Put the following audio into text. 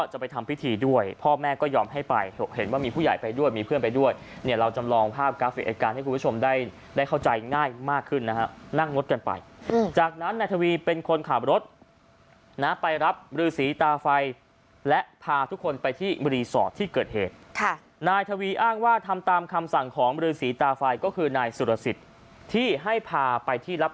ให้ไปเห็นว่ามีผู้ใหญ่ไปด้วยมีเพื่อนไปด้วยเนี่ยเราจำลองภาพกราฟิกอัตการณ์ให้คุณผู้ชมได้ได้เข้าใจง่ายมากขึ้นนะครับนั่งรถกันไปจากนั้นไหนทวีเป็นคนขับรถนะไปรับบริษฐฟัยและพาทุกคนไปที่บริษฐฟัยที่เกิดเหตุค่ะนายทวีอ้างว่าทำตามคำสั่งของบริษฐฟัยก็คือนายสุรสิตที่ให้พาไปที่รับ